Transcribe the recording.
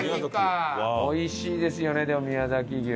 おいしいですよねでも宮崎牛。